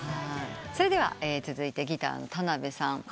それでは続いてギターの田辺さん。